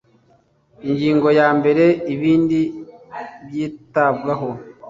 ingingo ya mbere ibindi byitabwaho